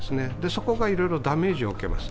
そこがいろいろダメージを受けます。